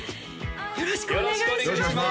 よろしくお願いします